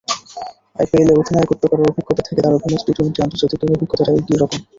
আইপিএলে অধিনায়কত্ব করার অভিজ্ঞতা থেকে তাঁর অভিমত, টি-টোয়েন্টি আন্তর্জাতিকেও অভিজ্ঞতাটা একই রকম।